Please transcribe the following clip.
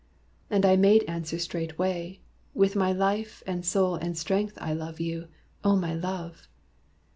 And I made answer straightway, 'With my life And soul and strength I love you, O my love!'